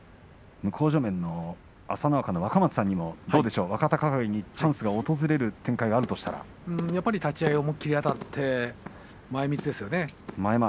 向正面の朝乃若の若松さんにもどうでしょう、若隆景にチャンス立ち合い思い切りあたって前みつですよね。